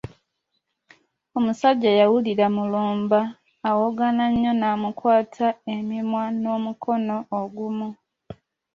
Omusajja yawulira Mulumba awoggana nnyo n'amukwata emimwa n’omukono ogumu.